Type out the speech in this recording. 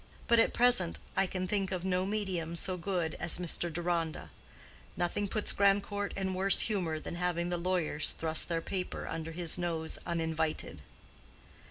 But at present I can think of no medium so good as Mr. Deronda. Nothing puts Grandcourt in worse humor than having the lawyers thrust their paper under his nose uninvited.